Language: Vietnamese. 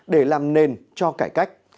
để làm nền cho cải cách